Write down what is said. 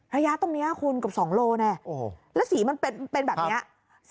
ระยะตรงนี้คุณเกือบ๒โลแน่แล้วสีมันเป็นแบบนี้